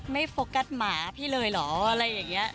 โฟกัสหมาพี่เลยเหรออะไรอย่างนี้